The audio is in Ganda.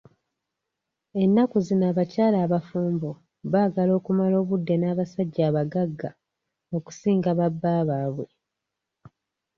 Ennaku zino abakyala abafumbo baagala okumala obudde n'abasajja abagagga okusinga ba bba baabwe.